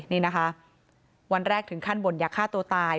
นี่นะคะวันแรกถึงขั้นบ่นอยากฆ่าตัวตาย